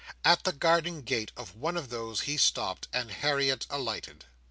At the garden gate of one of these he stopped, and Harriet alighted.